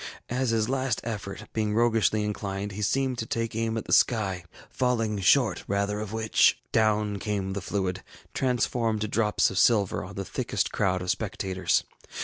As his last effort, being roguishly inclined, he seemed to take aim at the sky, falling short rather of which, down came the fluid, transformed to drops of silver, on the thickest crowd of the spectators.